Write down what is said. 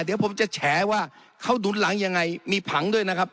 เดี๋ยวผมจะแฉว่าเขาหนุนหลังยังไงมีผังด้วยนะครับ